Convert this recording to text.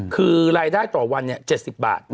คือรายได้ต่อวัน๗๐บาท